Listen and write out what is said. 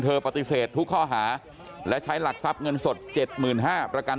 ปฏิเสธทุกข้อหาและใช้หลักทรัพย์เงินสด๗๕๐๐ประกัน